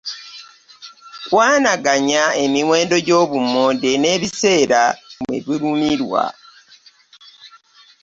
Kwanaganya emiwendo gy’obummonde n’ebiseera mwe bulimirwa.